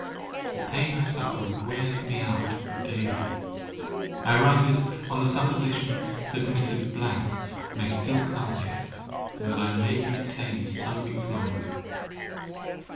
The pain I suffer wears me out daily. I write this on the supposition that Mrs. —— may still come here, and that I may be detained some weeks longer.